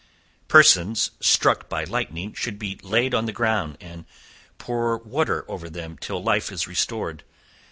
Persons struck by lightning should be laid on the ground, and pour water over them till life is restored.